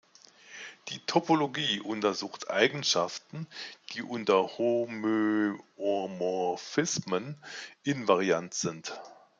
Die Topologie untersucht Eigenschaften, die unter Homöomorphismen invariant sind.